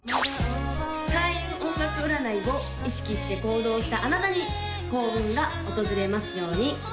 開運音楽占いを意識して行動したあなたに幸運が訪れますように！